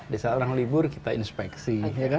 di saat orang libur kita inspeksi